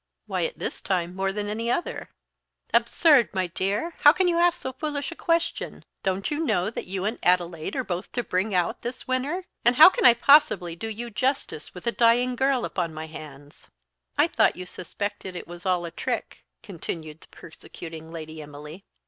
"Why at this time more than at any other?" "Absurd, my dear! how can you ask so foolish a question? Don't you know that you and Adelaide are both to bring out this winter, and how can I possibly do you justice with a dying girl upon my hands?" "I thought you suspected it was all a trick," continued the persecuting Lady Emily.